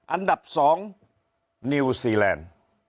อันดับ๒นิวซีแลนด์